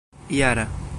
jara